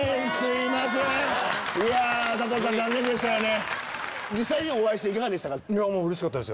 いや佐藤さん残念でしたよね。